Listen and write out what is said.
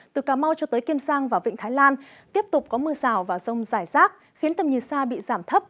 từ cà mau cho tới kiên sang và vịnh thái lan tiếp tục có mưa rào và rông rải rác khiến tầm nhìn xa bị giảm thấp